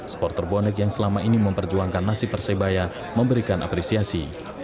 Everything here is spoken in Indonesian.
supporter bonek yang selama ini memperjuangkan nasib persebaya memberikan apresiasi